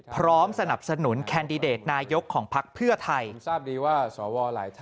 พร้อมสนับสนุนแคนดิเดตนายกของพักเพื่อไทย